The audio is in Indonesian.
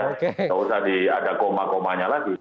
tidak usah ada koma komanya lagi